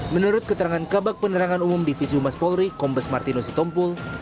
menurut keterangan kabak penerangan umum divisi umas polri kompas martino sitompul